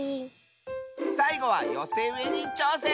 さいごはよせうえにちょうせん！